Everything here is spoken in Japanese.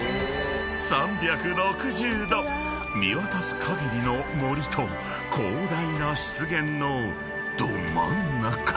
［３６０度見渡すかぎりの森と広大な湿原のど真ん中］